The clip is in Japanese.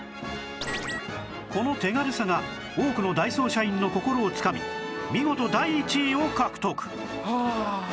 この手軽さが多くのダイソー社員の心をつかみ見事第１位を獲得！